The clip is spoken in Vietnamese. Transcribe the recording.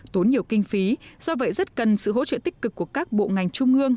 tốn nhiều kinh phí do vậy rất cần sự hỗ trợ tích cực của các bộ ngành trung ương